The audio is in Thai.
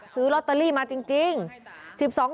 ซื้อลอตเตอรี่มาจริง